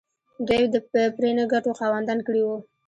دوی د پرې نه ګټو خاوندان کړي وو.